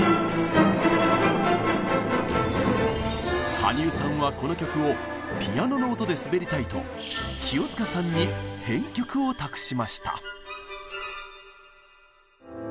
羽生さんはこの曲をピアノの音で滑りたいと清塚さんに編曲を託しました。